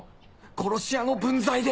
殺し屋の分際で！